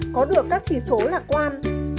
có được các chỉ số lạc quan